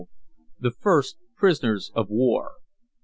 THE FIRST PRISONERS OF WAR.